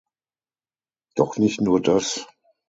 Doch nicht nur das.